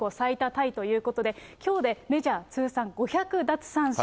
タイということで、きょうでメジャー通算５００奪三振。